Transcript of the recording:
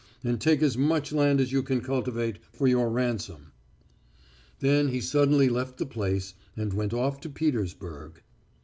And take as much land as you can cultivate for your ransom." Then he suddenly left the place and went off to Petersburg.